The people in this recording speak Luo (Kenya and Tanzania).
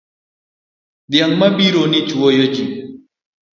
Dhiang' mabironi chwowoji.